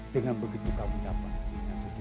dengan begitu kamu dapat